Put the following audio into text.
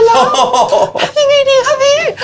ทำยังไงดีคะพี่